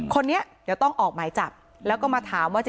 คนนี้เดี๋ยวต้องออกหมายจับแล้วก็มาถามว่า